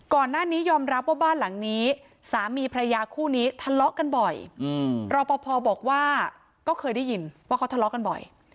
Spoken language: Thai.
ก่อนหน้านี้ยอมรับว่าบ้านหลังนี้สามีพระยาคู่นี้ทะเลาะกันบ่อยรอปภบอกว่าก็เคยได้ยินว่าเขาทะเลาะกันบ่อย